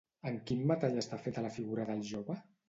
En quin metall està feta la figura del jove?